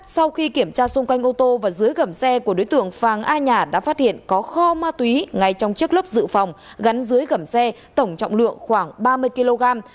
sau khi kiểm tra xung quanh ô tô và dưới gầm xe của đối tượng phàng a nhả đã phát hiện có kho ma túy ngay trong chiếc lốc dự phòng gắn dưới gầm xe tổng trọng lượng khoảng ba mươi kg